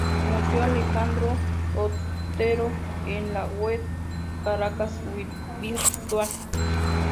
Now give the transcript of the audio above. Museo Alejandro Otero en la web Caracas Virtual